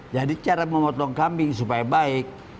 jadi cara memotong kambing supaya baik